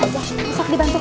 masuk dibantu kami